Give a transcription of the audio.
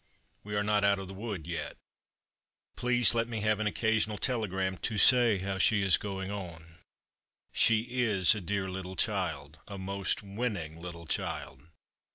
We are not out of the wood yet. Please let me have an occasional telegram to say how she is going on. She is a dear little child — a most winning little child.